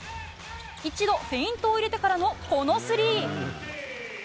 一度フェイントを入れてからのこのスリー。